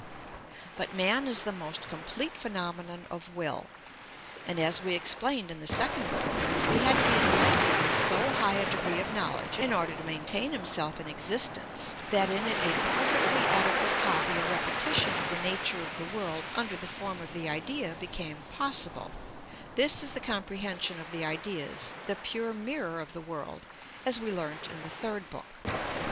But man is the most complete phenomenon of will, and, as we explained in the Second Book, he had to be enlightened with so high a degree of knowledge in order to maintain himself in existence, that in it a perfectly adequate copy or repetition of the nature of the world under the form of the idea became possible: this is the comprehension of the Ideas, the pure mirror of the world, as we learnt in the Third Book.